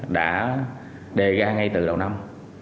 đã đề ra ngay từ đầu năm